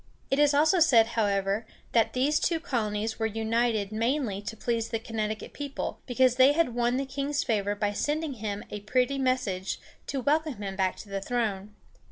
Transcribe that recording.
It is also said, however, that these two colonies were united mainly to please the Connecticut people, because they had won the king's favor by sending him a pretty message to welcome him back to the throne.